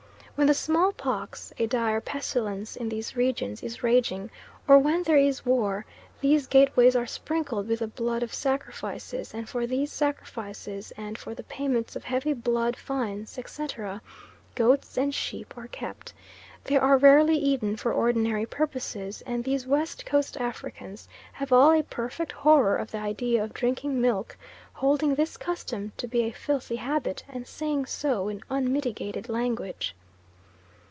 When the smallpox, a dire pestilence in these regions, is raging, or when there is war, these gateways are sprinkled with the blood of sacrifices, and for these sacrifices and for the payments of heavy blood fines, etc., goats and sheep are kept. They are rarely eaten for ordinary purposes, and these West Coast Africans have all a perfect horror of the idea of drinking milk, holding this custom to be a filthy habit, and saying so in unmitigated language.